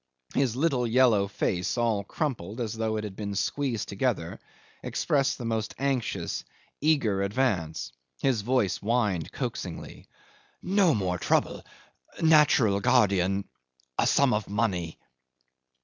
His little yellow face, all crumpled as though it had been squeezed together, expressed the most anxious, eager avarice. His voice whined coaxingly, "No more trouble natural guardian a sum of money